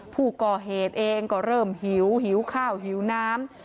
ผู้ก่อเหตุเองก็เริ่มหิวหิวข้าวหิวน้ำ